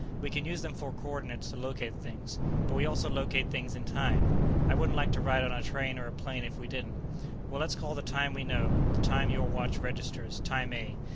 "We can use them for coordinates to locate things, but we also locate things in time. I wouldn't like to ride on a train or a plane if we didn't. Well, let's call the time we know, the time your watch registers, Time A.